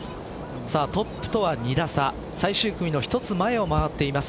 さあトップとは２打差最終組の１つ前を回っています